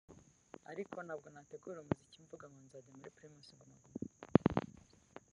ariko ntabwo nategura umuziki mvuga ngo nzajya muri Primus Guma Guma